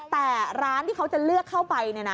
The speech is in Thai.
แต่ร้านที่เขาจะเลือกเข้าไป